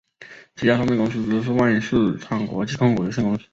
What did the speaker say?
旗下上市公司则有万事昌国际控股有限公司。